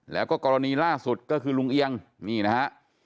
แล้วก็กรณีล่าสุดก็คือลุงเอียงนี่นะฮะ